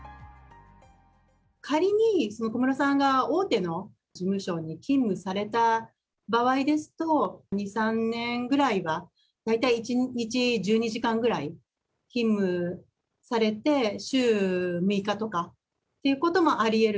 仮に、小室さんが大手の事務所に勤務された場合ですと、２、３年ぐらいは、大体１日１２時間ぐらい勤務されて、週６日とかということもありえる。